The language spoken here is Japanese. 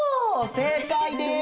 正解です！